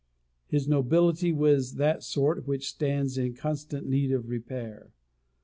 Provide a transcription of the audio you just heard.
His nobility was of that sort which stands in constant need of repair.